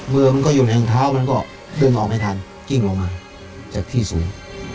มือมันก็อยู่ในเท้ามันก็เดินออกไม่ทันกิ้งออกมาจากที่สูง